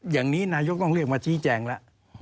อย่างนี้นายกต้องเรียกมาชี้แจงแล้ว